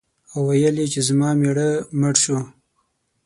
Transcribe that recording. او ویل یې چې زما مېړه مړ شو.